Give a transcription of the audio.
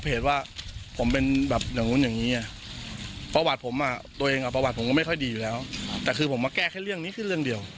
ผมบอกว่าแก้อพุทธชีวิตคือเรื่องเดียว